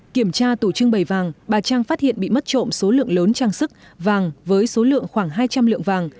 kiểm tra tủ trưng bày vàng bà trang phát hiện bị mất trộm số lượng lớn trang sức vàng với số lượng khoảng hai trăm linh lượng vàng